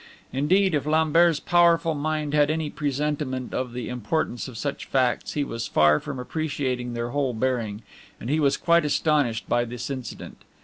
Indeed, if Lambert's powerful mind had any presentiment of the importance of such facts, he was far from appreciating their whole bearing; and he was quite astonished by this incident.